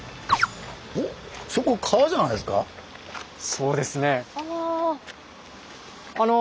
そうですね。